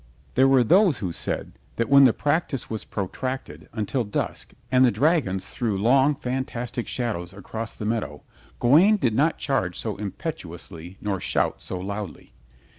There were those who said that when the practice was protracted until dusk and the dragons threw long, fantastic shadows across the meadow Gawaine did not charge so impetuously nor shout so loudly.